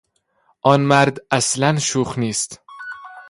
آن مرد اصلا شوخ نیست.